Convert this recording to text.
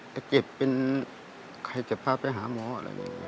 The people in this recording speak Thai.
จะเก็บเป็นใครจะพาไปหาหมออะไรอย่างนี้